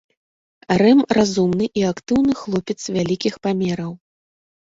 Рэм разумны і актыўны хлопец вялікіх памераў.